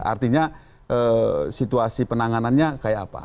artinya situasi penanganannya kayak apa